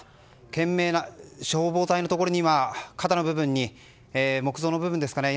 懸命な消防隊のところに今、肩の部分に木造の部分ですかね